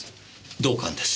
同感です。